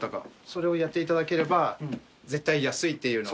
それをやっていただければ絶対安いっていうの。